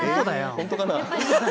本当かな？